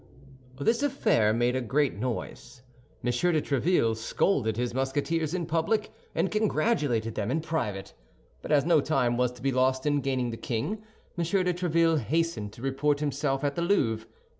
This affair made a great noise. M. de Tréville scolded his Musketeers in public, and congratulated them in private; but as no time was to be lost in gaining the king, M. de Tréville hastened to report himself at the Louvre.